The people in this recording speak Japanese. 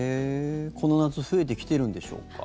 この夏増えてきてるんでしょうか。